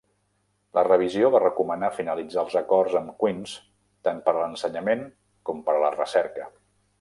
La revisió va recomanar finalitzar els acords amb Queen's, tant per a l'ensenyament com per a la recerca.